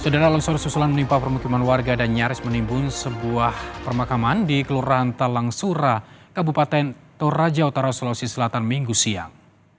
cedera longsor susulan menimpa permukiman warga dan nyaris menimbun sebuah permakaman di kelurahan talangsura kabupaten toraja utara sulawesi selatan minggu siang